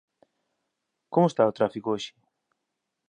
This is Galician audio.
Como está o tráfico hoxe?